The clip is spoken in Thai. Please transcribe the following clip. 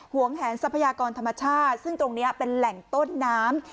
วงแหนทรัพยากรธรรมชาติซึ่งตรงนี้เป็นแหล่งต้นน้ำ